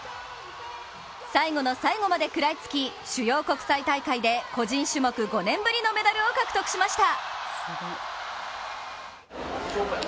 最後の最後まで食らいつき、主要国際大会で個人種目５年ぶりのメダルを獲得しました。